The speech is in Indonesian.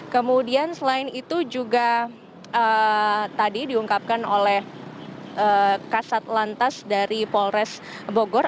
kemudian selain itu juga tadi diungkapkan oleh kasat lantas dari polres bogor